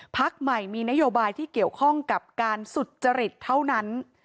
พักใหม่มีนโยบายที่เกี่ยวข้องกับการสุจริตเท่านั้น